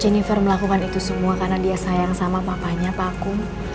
jennifer melakukan itu semua karena dia sayang sama papanya paku